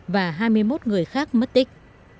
và hai mươi một người khác mất tích